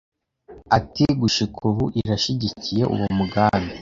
Ati: "Gushika ubu irashigikiye uwo mugambi